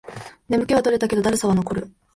眠気は取れたけど、だるさは残る